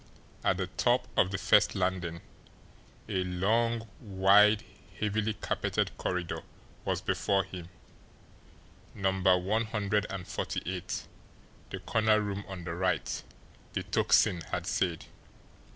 At the top of the first landing, a long, wide, heavily carpeted corridor was before him. "Number one hundred and forty eight, the corner room on the right," the Tocsin had said.